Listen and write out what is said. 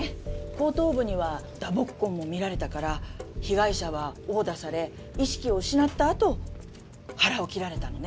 後頭部には打撲痕も見られたから被害者は殴打され意識を失ったあと腹を切られたのね。